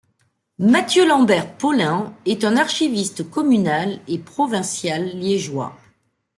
Mathieu-Lambert Polain est un archiviste communal et provincial liégeois.